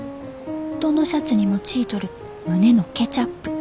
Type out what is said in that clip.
どのシャツにもちいとる胸のケチャップ。